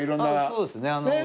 そうですね。